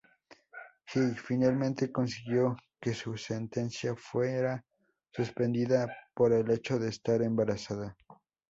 Jill finalmente consiguió que su sentencia fuera suspendida por el hecho de estar embarazada.